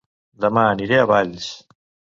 Dema aniré a Valls